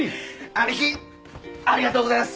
兄貴ありがとうございます！